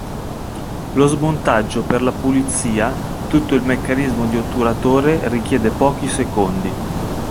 Lo smontaggio per la pulizia tutto il meccanismo di otturatore richiede pochi secondi.